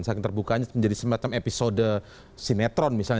saking terbukanya menjadi semacam episode sinetron misalnya